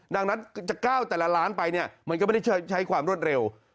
ดังนั้นจะก้าวแต่ละล้านไปเนี่ยมันก็ไม่ได้ใช้ความรวดเร็ว